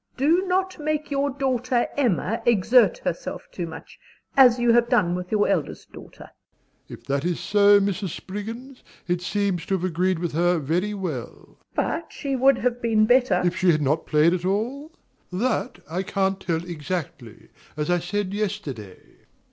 Do not make your daughter Emma exert herself too much, as you have done with your eldest daughter. DOMINIE. If that is so, Mrs. Spriggins, it seems to have agreed with her very well. MRS. S. (vehemently). But she would have been better DOMINIE. If she had not played at all? That I can't tell exactly, as I said yesterday.